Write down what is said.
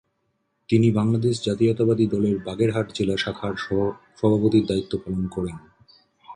তিনি বাংলাদেশ জাতীয়তাবাদী দলের বাগেরহাট জেলা শাখার সভাপতির দায়িত্ব পালন করেন।